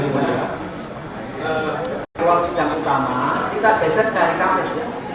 ruang siang utama kita beset dari kamis